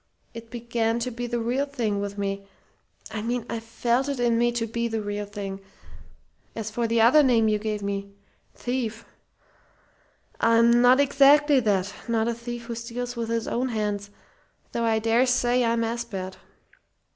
It began to be the real thing with me. I mean I felt it in me to be the real thing. As for the other name you gave me thief I'm not exactly that not a thief who steals with his own hands, though I dare say I'm as bad.